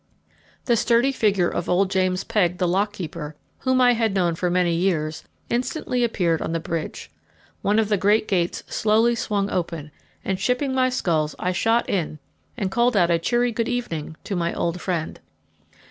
The sturdy figure of old James Pegg, the lock keeper, whom I had known for many years, instantly appeared on the bridge. One of the great gates slowly swung open, and, shipping my sculls, I shot in, and called out a cheery good evening to my old friend.